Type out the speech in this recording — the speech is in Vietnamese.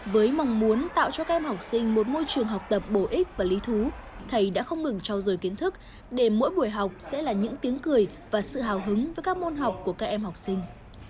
với mong muốn tạo cho các em học sinh một môi trường học tập bổ ích và lý thú thầy đã không ngừng trao dồi kiến thức để mỗi buổi học sẽ là những tiếng cười và sự hào hứng với các môn học của các em học sinh